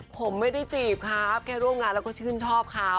ผมไม่ได้จีบครับแค่ร่วมงานแล้วก็ชื่นชอบเขา